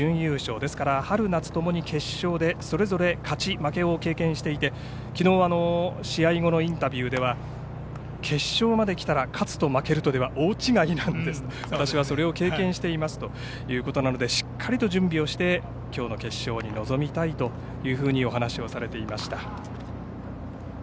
ですから春夏ともに決勝でそれぞれ勝ち負けを経験していてきのう試合後のインタビューでは決勝まで来たら勝つと負けるとでは大違いなんですと私はそれを経験していますということでしっかりと準備をしてきょうの決勝に臨みたいというふうにお話をされていました。